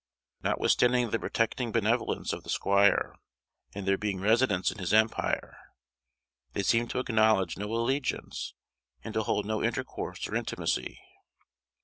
Notwithstanding the protecting benevolence of the squire, and their being residents in his empire, they seem to acknowledge no allegiance, and to hold no intercourse or intimacy.